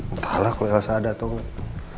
entahlah kalau elsa ada atau enggak